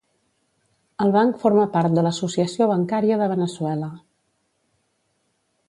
El banc forma part de l'Associació Bancària de Veneçuela.